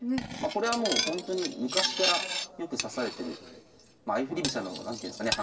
これはもうほんとに昔からよく指されてる相振り飛車の何ていうんですかね